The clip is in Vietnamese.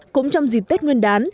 cũng trong dịp tết nguyên đán